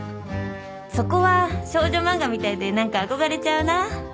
そこは少女漫画みたいで何か憧れちゃうな。